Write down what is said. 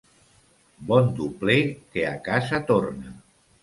Bon dobler que a casa torna.